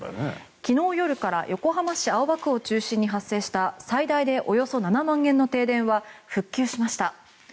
昨日夜から横浜市青葉区を中心に発生した最大でおよそ７万軒の停電は復旧しました。